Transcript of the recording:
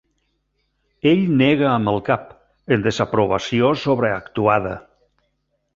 Ell nega amb el cap, en desaprovació sobreactuada.